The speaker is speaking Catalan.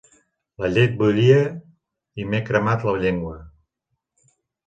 La llet bullia i m'he cremat la llengua.